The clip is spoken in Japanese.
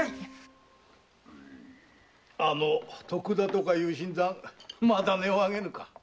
あの徳田とかいう新参まだ音を上げぬか。